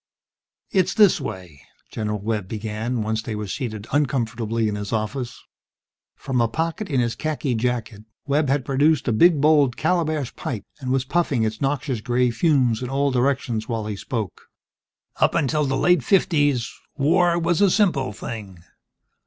"It's this way," General Webb began, once they were seated uncomfortably in his office. From a pocket in his khaki jacket, Webb had produced a big bowled calabash pipe, and was puffing its noxious gray fumes in all directions while he spoke. "Up until the late fifties, war was a simple thing